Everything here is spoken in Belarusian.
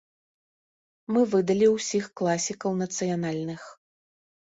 Мы выдалі ўсіх класікаў нацыянальных.